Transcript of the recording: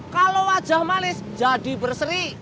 kalau wajah manis jadi berseri